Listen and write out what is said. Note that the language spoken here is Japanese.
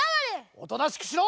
おとなしくしろ！